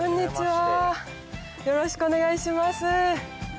よろしくお願いします。